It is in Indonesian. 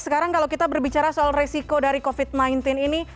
sekarang kalau kita berbicara soal resiko dari covid sembilan belas ini